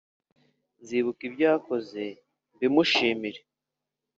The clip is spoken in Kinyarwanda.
Nzibuka ibyo yakoze mbimushimire